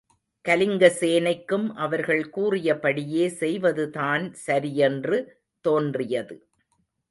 கலிங்கசேனைக்கும் அவர்கள் கூறிய படியே செய்வதுதான் சரியென்று தோன்றியது.